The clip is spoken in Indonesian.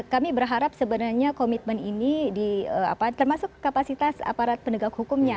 kami berharap sebenarnya komitmen ini termasuk kapasitas aparat penegak hukumnya